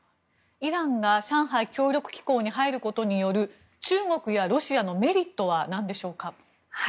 イランが上海協力機構に入ることによる中国やロシアのメリットは何でしょうか。